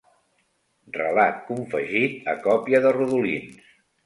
Relat confegit a còpia de rodolins.